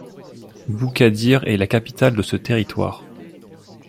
Boukadir est la capitale de ce territoire.